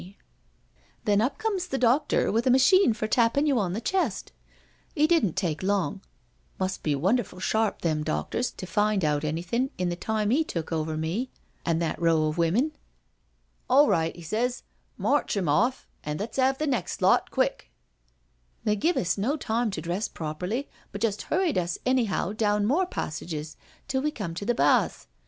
ii6 NO SURRENDER Then up comes the doctor with a machine for tappin' you on the chest. '£ didn't take long — ^must be won derful sharp, them doctors, to find out anythin' in the time 'e took over me an* that row of women I ' All right/ he says/ ' march 'em off, an' let's have the next lot quick i' They give us no time to dress properly, but just hurried us anyhow down more passages till we come to the baths.